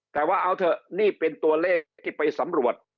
แต่ว่าเอาเถอะนี่เป็นตัวเลขที่ไปสำรวจ